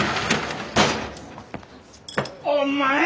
お前！